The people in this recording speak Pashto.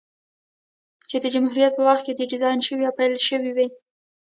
چې د جمهوريت په وخت کې ډيزاين شوې او پېل شوې وې،